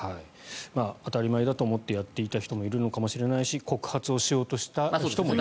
当たり前だと思ってやっていた人もいたのかもしれないし告発をしようとした人もいる。